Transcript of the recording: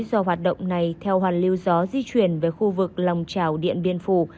do hoạt động này theo hoàn lưu gió di chuyển về khu vực lòng trào điện biên phủ